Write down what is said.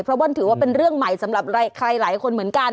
เพราะว่าถือว่าเป็นเรื่องใหม่สำหรับใครหลายคนเหมือนกัน